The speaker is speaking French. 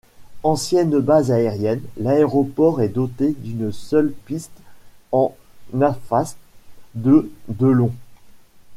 Ancienne base aérienne, l'aéroport est doté d'une seule piste en asphalte de de long.